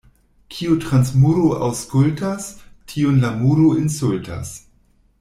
Kiu trans muro aŭskultas, tiun la muro insultas.